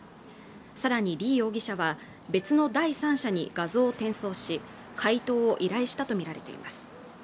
更に李容疑者は別の第三者に画像を転送し回答を依頼したと見られています